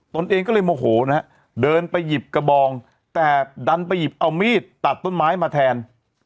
ตัวเองก็เลยโมโหนะฮะเดินไปหยิบกระบองแต่ดันไปหยิบเอามีดตัดต้นไม้มาแทน